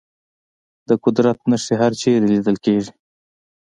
د قدرت نښې هرچېرې لیدل کېږي.